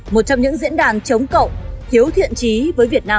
một trong những diễn đàn chống cậu hiếu thiện trí với việt nam